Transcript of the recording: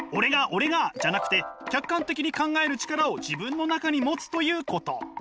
俺が！」じゃなくて客観的に考える力を自分の中に持つということ。